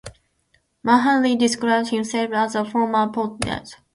Mahaney describes himself as a former pothead.